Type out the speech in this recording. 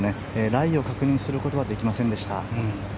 ライを確認することはできませんでした。